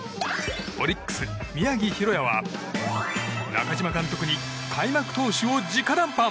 オリックス、宮城大弥は中嶋監督に開幕投手を直談判。